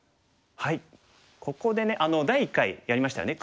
ここでね第１回やりましたよね